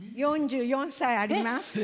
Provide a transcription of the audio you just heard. ４４歳あります。